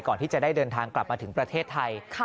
ก่อนที่จะได้เดินทางกลับมาถึงประเทศไทย